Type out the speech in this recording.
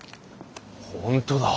本当だ。